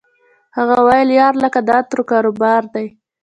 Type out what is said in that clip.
هغه ویل یار لکه د عطرو کاروبار دی